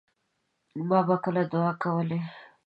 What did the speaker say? ما به کله دعاګانې کولې.